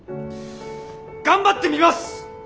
頑張ってみます！